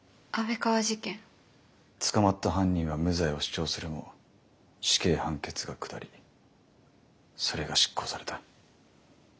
捕まった犯人は無罪を主張するも死刑判決が下りそれが執行された。